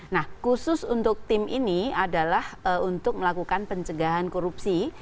nah khusus untuk tim ini adalah untuk melakukan pencegahan korupsi